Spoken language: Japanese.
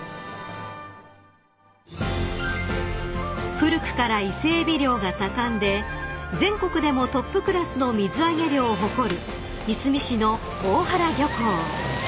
［古くから伊勢エビ漁が盛んで全国でもトップクラスの水揚げ量を誇るいすみ市の大原漁港］